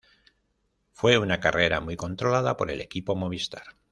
Fue una carrera muy controlada por el equipo Movistar.